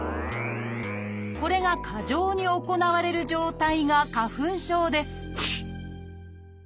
これが過剰に行われる状態が花粉症です